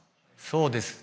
そうですね。